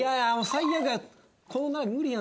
最悪や。